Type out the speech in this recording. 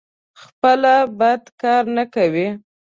خپله بد کار نه کوي.